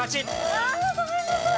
あっごめんなさい。